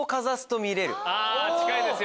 近いですよ